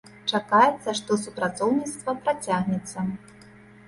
Чакаецца, што супрацоўніцтва працягнецца.